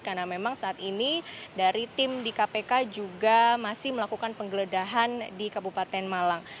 karena memang saat ini dari tim di kpk juga masih melakukan penggeledahan di kabupaten malang